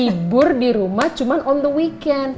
libur di rumah cuma on the weekend